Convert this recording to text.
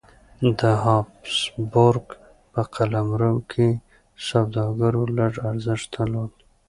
د هابسبورګ په قلمرو کې سوداګرو لږ ارزښت درلود.